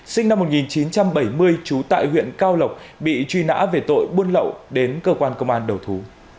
sinh năm một nghìn chín trăm bảy mươi trú tại huyện cao lộc bị truy nã về tội buôn lậu đến cơ quan công an đầu thú